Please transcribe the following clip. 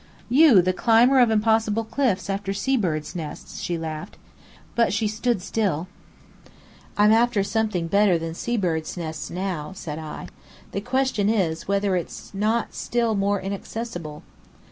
"You, the climber of impossible cliffs after sea birds' nests!" she laughed. But she stood still. "I'm after something better than sea birds' nests now," said I. "The question is, whether it's not still more inaccessible?"